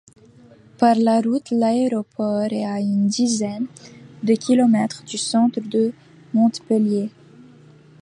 Par la route, l'aéroport est à une dizaine de kilomètres du centre de Montpellier.